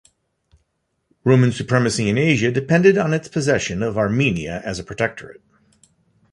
Roman supremacy in Asia depended on its possession of Armenia as a protectorate.